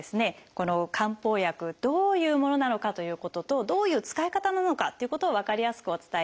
この漢方薬どういうものなのかということとどういう使い方なのかということを分かりやすくお伝えしていきます。